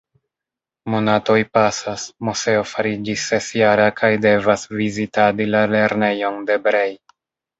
Monatoj pasas, Moseo fariĝis sesjara kaj devas vizitadi la lernejon de Brej.